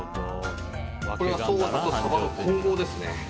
これはソウダとサバの混合ですね。